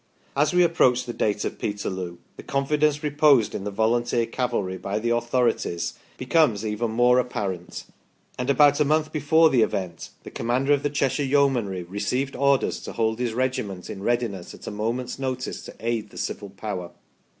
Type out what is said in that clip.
As we approach the date of Peterloo, the confidence reposed in the volunteer cavalry by the authorities becomes even more apparent, and THE DRILLINGS 15 about a montlj before the event the Commander of the Cheshire Yeo manry received orders to hold his regiment in readiness at a moment's notice to aid the civil power.